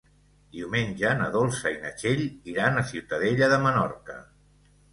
Diumenge na Dolça i na Txell iran a Ciutadella de Menorca.